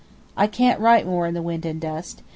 I can't write more in the wind and dust.